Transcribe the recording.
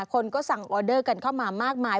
คนก็สั่งออเดอร์กันเข้ามามากมาย